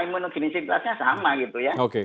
imunoginisitasnya sama gitu ya oke